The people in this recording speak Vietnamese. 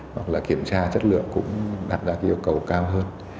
hoặc là kiểm tra chất lượng cũng đặt ra yêu cầu cao hơn